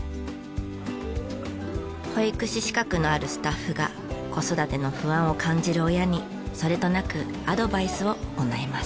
保育士資格のあるスタッフが子育ての不安を感じる親にそれとなくアドバイスを行います。